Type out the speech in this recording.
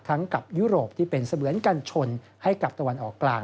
กับยุโรปที่เป็นเสมือนกันชนให้กับตะวันออกกลาง